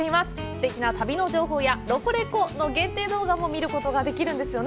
すてきな旅の情報や「ロコレコ！」の限定動画も見ることができるんですよね！